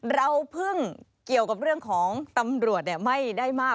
เราเพิ่งเกี่ยวกับเรื่องของตำรวจไม่ได้มาก